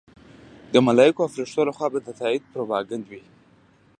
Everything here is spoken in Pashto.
د ملایکو او فرښتو لخوا به د تایید پروپاګند وي.